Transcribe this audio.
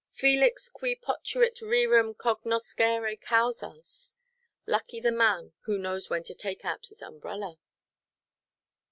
"Felix qui potuit rerum cognoscere causas." Lucky the man who knows when to take out his umbrella.